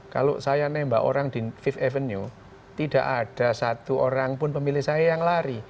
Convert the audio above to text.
kalau saya nembak orang di fit avenue tidak ada satu orang pun pemilih saya yang lari